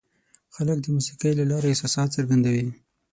خلک د موسیقۍ له لارې احساسات څرګندوي.